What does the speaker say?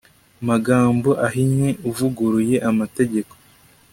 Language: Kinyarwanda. magambo ahinnye uvuguruye amategeko